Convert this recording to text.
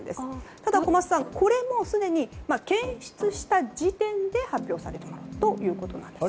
ただ小松さん、すでに検出した時点で発表されるということです。